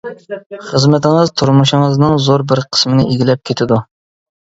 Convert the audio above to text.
خىزمىتىڭىز تۇرمۇشىڭىزنىڭ زور بىر قىسمىنى ئىگىلەپ كېتىدۇ.